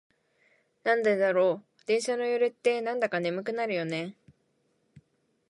なんでだろう、電車の揺れってなんだか眠くなるよね。